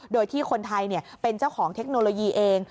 โดยที่คนไทยเป็นเจ้าของเทคโนโลยีเอง